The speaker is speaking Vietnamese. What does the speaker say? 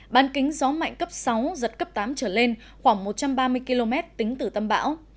ban kính gió mạnh cấp sáu giật cấp tám trở lên khoảng một trăm ba mươi km tính từ tâm bão